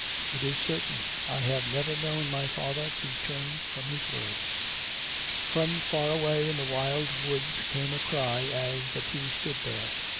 '*" It is certain. I have never known my father to turn from his word." From far away in the wild woods came a cry as the two stood there.